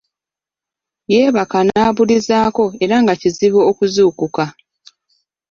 Yeebaka n’abulizaako era nga kizibu okuzuukuka.